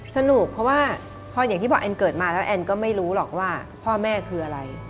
สนุกเพราะว่าพออย่างที่บอกแอนเกิดมาแล้วแอนก็ไม่รู้หรอกว่าพ่อแม่คืออะไร